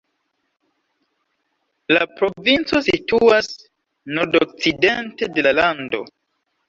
La provinco situas nordokcidente de la lando.